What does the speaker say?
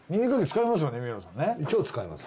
超使います。